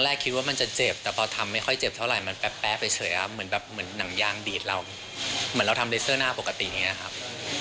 แล้วมีผลขลางเคียงหรือเปล่าครับหลังจากนี้ครับ